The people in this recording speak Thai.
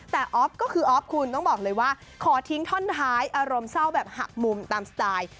แต่ออฟก็คือออฟคุณต้องบอกเลยว่าขอทิ้งท่อนท้ายอารมณ์เศร้าแบบหักมุมตามสไตล์